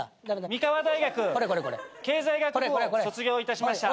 ミカワ大学経済学部を卒業いたしました。